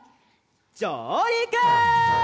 じょうりく！